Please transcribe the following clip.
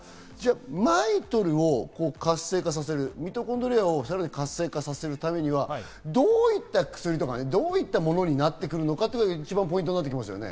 ＭＩＴＯＬを活性化させる、ミトコンドリアをさらに活性化させるためにはどういった薬とか、どういったものになってくるのかっていうのがポイントですよね。